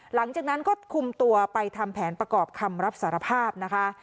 หลังจากนั้นก็คุมตัวไปทำแผนประกอบคำรับสารภาพนะคะ